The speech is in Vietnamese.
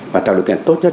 và tạo được kẻ tốt nhất